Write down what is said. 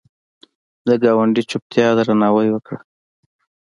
د ګاونډي چوپتیا درناوی وکړه